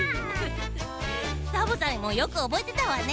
サボさんもよくおぼえてたわね。